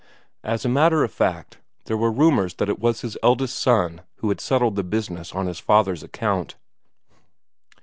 As a matter of fact, there were rumours that it was his eldest son who had settled the business on his father's account.